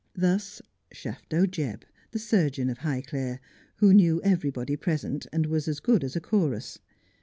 Thus Shafto Jebb, the surgeon of Highclere, who knew every body present, and was as good as a chorus.